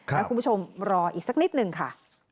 แล้วคุณผู้ชมรออีกสักนิดหนึ่งค่ะ